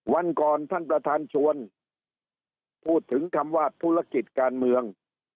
วันก่อนท่านประธานชวนพูดถึงคำว่าธุรกิจการเมือง